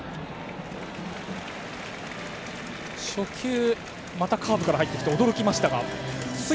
初球、またカーブから入ってきて驚きましたが。